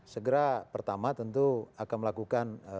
segera pertama tentu akan melakukan gugatan ke pt un